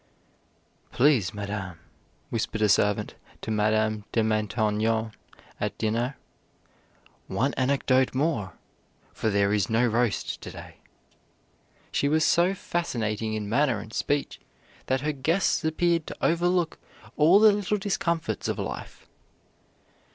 "Please, Madame," whispered a servant to Madame de Maintenon at dinner, "one anecdote more, for there is no roast to day." She was so fascinating in manner and speech that her guests appeared to overlook all the little discomforts of life.